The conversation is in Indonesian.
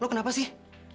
lo kenapa sih